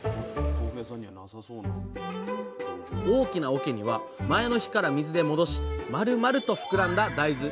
大きなおけには前の日から水で戻しまるまると膨らんだ大豆。